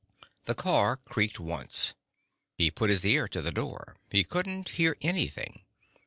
The car creaked once. He put his ear to the door. He couldn't hear anything.